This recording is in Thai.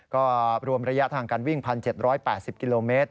ก็รวมระยะทางการวิ่ง๑๗๘๐กิโลเมตร